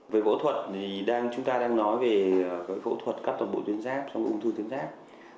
về phẫu thuật thì chúng ta đang nói về phẫu thuật cắt toàn bộ tuyến giáp trong ung thư tuyến giáp